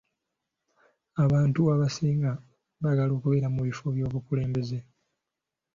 Abantu abasinga baagala kubeera mu bifo by'obukulembeze.